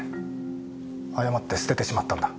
誤って捨ててしまったんだ。